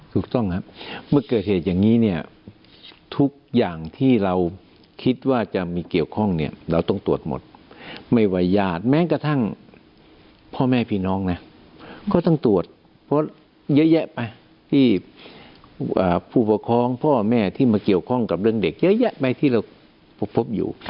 ถูกต้องครับเมื่อเกิดเหตุอย่างนี้เนี่ยทุกอย่างที่เราคิดว่าจะมีเกี่ยวข้องเนี่ยเราต้องตรวจหมดไม่ว่าญาติแม้กระทั่งพ่อแม่พี่น้องนะก็ต้องตรวจเพราะเยอะแยะไปที่ผู้ปกครองพ่อแม่ที่มาเกี่ยวข้องกับเรื่องเด็กเยอะแยะไปที่เราพบอยู่